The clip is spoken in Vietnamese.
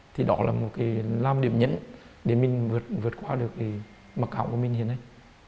thì đó là một cái làm điểm nhẫn để mình vượt qua được mặc cảm của mình hiện nay